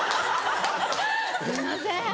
すいません。